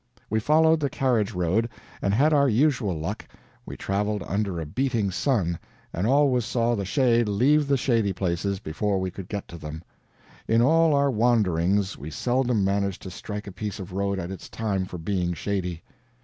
We followed the carriage road, and had our usual luck; we traveled under a beating sun, and always saw the shade leave the shady places before we could get to them. In all our wanderings we seldom managed to strike a piece of road at its time for being shady.